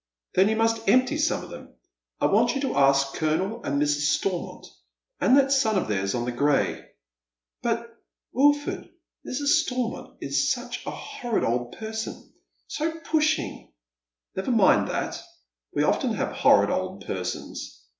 " Then you must empty some of them. I want you to ask Colonel and Mrs. Stormont, and that son of their's on the gray." " But, Wilford, Mis. Stormont is such a hornd old person— 80 pushing." " Never mind that. We often have horrid old persons."